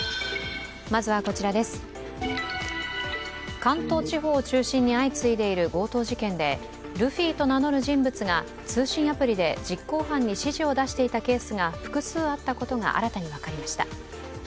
関東地方を中心に相次いでいる強盗事件で、ルフィと名乗る人物が通信アプリで実行犯に指示を出していたケースが複数あったことが新たに分かりました。